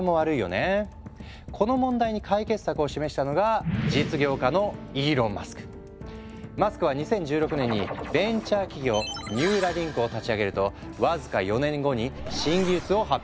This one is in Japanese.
この問題に解決策を示したのがマスクは２０１６年にベンチャー企業ニューラリンクを立ち上げると僅か４年後に新技術を発表。